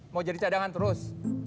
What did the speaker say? mau jadi cadangan terus